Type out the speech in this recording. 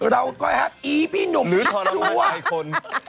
เราก็ไอ้หนุ่มชังชัย